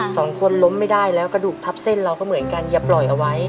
สองคนล้มไม่ได้แล้วกระดูกทับเส้นเราก็เหมือนกันอย่าปล่อยเอาไว้